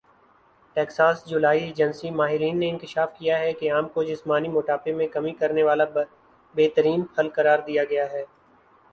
Texas جولائی agency ماہرین نے انکشاف کیا ہے کہ آم کو جسمانی موٹاپے میں کمی کرنے والا بہترین پھل قرار دیا گیا ہے